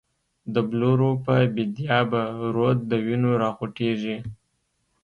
دبلورو په بیدیا به، رود دوینو راخوټیږی